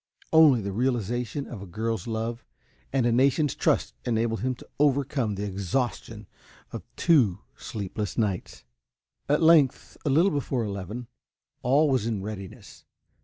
Only the realization of a girl's love and a nation's trust enabled him to overcome the exhaustion of two sleepless nights. At length, a little before eleven, all was in readiness.